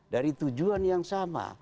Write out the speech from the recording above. dari tujuan yang sama